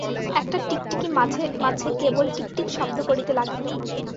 একটা টিকটিকি মাঝে মাঝে কেবল টিকটিক শব্দ করিতে লাগিল।